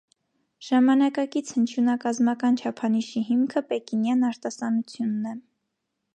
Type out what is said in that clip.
Ժամանակակից հնչիւնակազմական չափանիշի հիմքը պեկինեան արտասանութիւնն է։